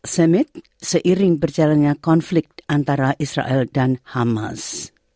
sumit seiring berjalannya konflik antara israel dan hamas